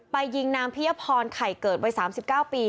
ยิงนางพิยพรไข่เกิดวัย๓๙ปี